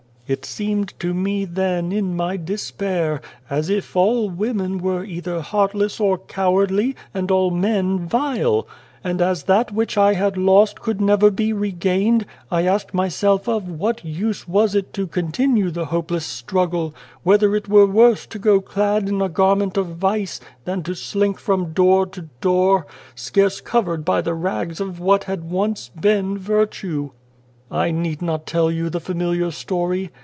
" It seemed to me then, in my despair, as it all women were either heartless or cowardly, and all men vile ; and, as that which I had lost could never be regained, I asked myself of what use was it to continue the hopeless struggle whether it were worse to go clad in a garment of vice, than to slink from door to door, scarce covered by the rags of what had once been virtue. " I need not tell you the familiar story.